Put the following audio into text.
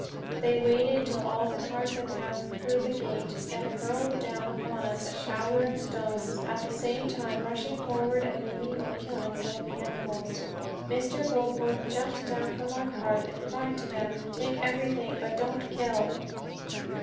They waited till all the carts had passed through the gate, then hurled down upon us a shower of stones, at the same time rushing forward and maiming or killing some of the animals. Mr. Goforth jumped down from our cart and cried to them, "Take everything, but don't kill."